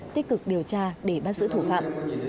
tích cực điều tra để bắt giữ thủ phạm